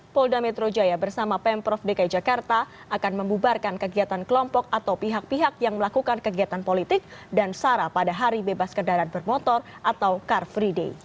polda metro jaya bersama pemprov dki jakarta akan membubarkan kegiatan kelompok atau pihak pihak yang melakukan kegiatan politik dan sarah pada hari bebas kendaraan bermotor atau car free day